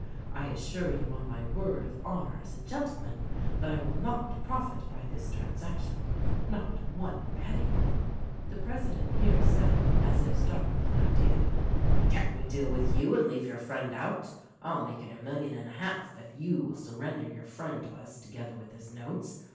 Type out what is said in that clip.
I assure you on my word of honor as a gentleman that I will not profit by this transaction — not one penny." "The president here said, — as if struck with an idea, — "Can't we deal with you and leave your friend out? I'll make it a million and a half if you will surrender your friend to us together with his notes.